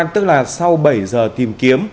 tức là sau bảy h tìm kiếm